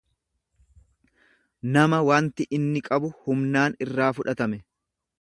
nama wanti inni qabu humnaan irraa fudhatame.